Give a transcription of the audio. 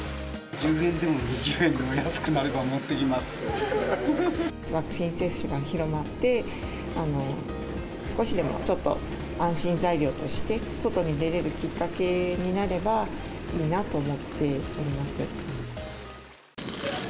１０円でも２０円でも安くなワクチン接種が広まって、少しでも、ちょっと安心材料として、外に出れるきっかけになればいいなと思っています。